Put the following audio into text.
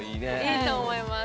いいと思います。